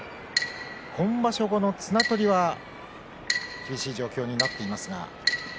今場所後の綱取りは厳しい状況になっています。